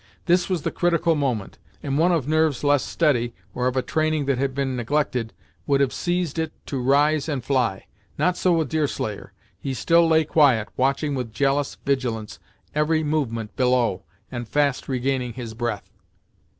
This was the critical moment, and one of nerves less steady, or of a training that had been neglected, would have seized it to rise and fly. Not so with Deerslayer. He still lay quiet, watching with jealous vigilance every movement below, and fast regaining his breath.